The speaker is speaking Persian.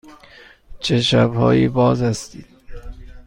چه شب هایی باز هستید؟